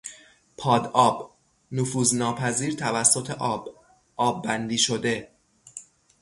پاد آب، نفوذ ناپذیر توسط آب، آببندی شده